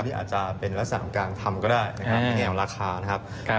หุ้นที่อาจจะเป็นระส่างกลางทำก็ได้ในแง่ของราคานะครับ